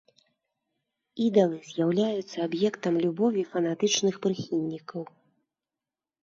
Ідалы з'яўляюцца аб'ектам любові фанатычных прыхільнікаў.